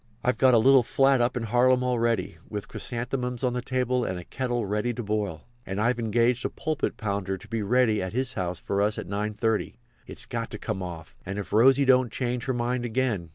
"I've got a little flat up in Harlem all ready, with chrysanthemums on the table and a kettle ready to boil. And I've engaged a pulpit pounder to be ready at his house for us at 9.30. It's got to come off. And if Rosy don't change her mind again!"